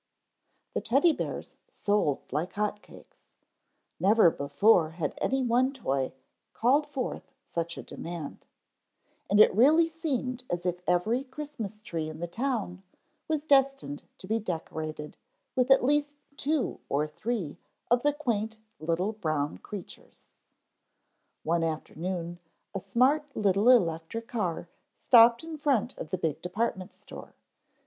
_ THE Teddy bears sold like hot cakes. Never before had any one toy called forth such a demand. And it really seemed as if every Christmas tree in the town was destined to be decorated with at least two or three of the quaint little brown creatures. One afternoon a smart little electric car stopped in front of the big department store.